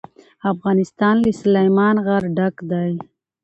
افغانستان له سلیمان غر ډک دی.